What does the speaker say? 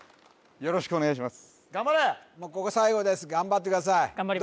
よろしくお願いします